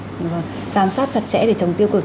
giám sát chặt chẽ để chống tiêu cực